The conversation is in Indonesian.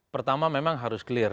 pertama memang harus clear